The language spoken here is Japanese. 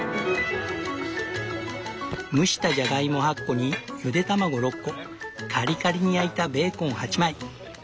蒸したじゃがいも８個にゆで卵６個カリカリに焼いたベーコン８枚。